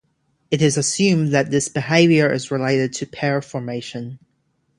It is assumed that this behaviour is related to pair formation.